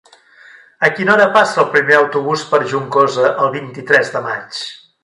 A quina hora passa el primer autobús per Juncosa el vint-i-tres de maig?